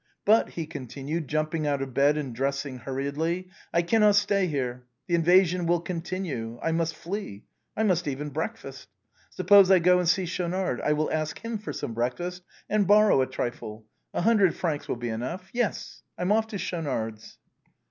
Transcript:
But," he continued, jumping out of bed and dressing hur riedly, " I cannot stay here. The invasion will continue. I must flee; I must even breakfast. Suppose I go and see Schaunard. I will ask him for some breakfast, and borrow a trifle. A hundred francs will be enough. Yes, I'm off to Schaunard's."